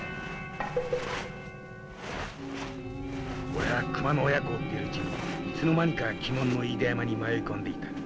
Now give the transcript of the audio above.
俺は熊の親子を追ってるうちにいつの間にか鬼門の飯田山に迷い込んでいた。